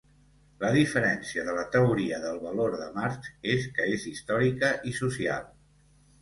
La diferència de la teoria del valor de Marx és que és històrica i social.